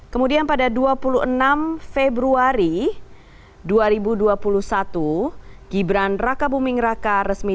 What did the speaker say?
kemudian pada dua puluh enam februari dua ribu dua puluh satu gibran raka buming raka resmi